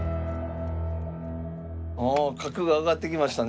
あ角が上がってきましたね。